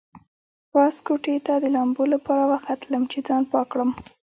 پاس کوټې ته د لامبو لپاره وختلم چې ځان پاک کړم.